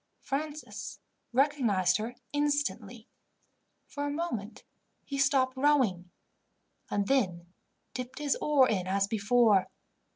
Francis recognized her instantly. For a moment he stopped rowing, and then dipped his oar in as before.